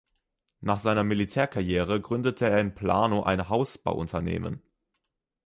Nach seiner Militärkarriere gründete er in Plano ein Hausbauunternehmen.